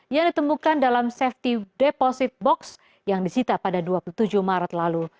yang ditemukan dalam safety deposit box yang disita pada dua puluh tujuh maret lalu